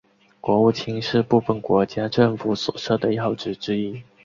国务卿是部份国家政府所设的要职之一。